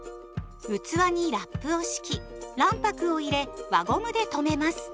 器にラップを敷き卵白を入れ輪ゴムで留めます。